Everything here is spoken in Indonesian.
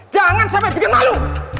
jangan sampai bikin malu